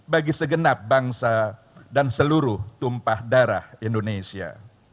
bagi segenap bangsa dan seluruh tumpah darah indonesia